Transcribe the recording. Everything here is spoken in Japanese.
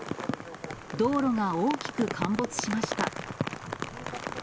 道路が大きく陥没しました。